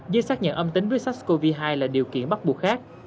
dưới xác nhận âm tính với sars cov hai là điều kiện bắt buộc khác